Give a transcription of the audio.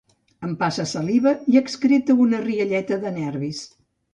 Empassa saliva i excreta una rialleta de nervis.